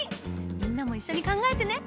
みんなもいっしょにかんがえてね。